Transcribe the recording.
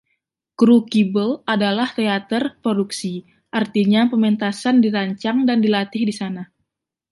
Crucible adalah teater produksi, artinya, pementasan dirancang dan dilatih di sana.